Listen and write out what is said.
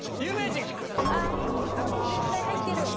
それ絶対入ってる。